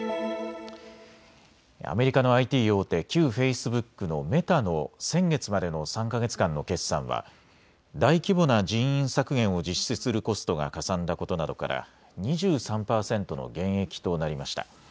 アメリカのＩＴ大手、旧フェイスブックのメタの先月までの３か月間の決算は大規模な人員削減を実施するコストがかさんだことなどから２３％の減益となりました。